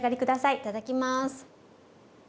はいいただきます。